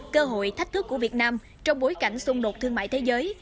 cơ hội thách thức của việt nam trong bối cảnh xung đột thương mại thế giới